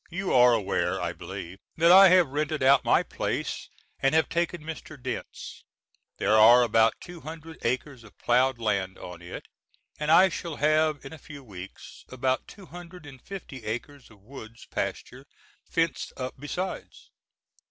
You are aware, I believe, that I have rented out my place and have taken Mr. Dent's. There are about two hundred acres of ploughed land on it and I shall have, in a few weeks, about two hundred and fifty acres of woods pasture fenced up besides.